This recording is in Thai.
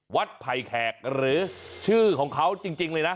ไผ่แขกหรือชื่อของเขาจริงเลยนะ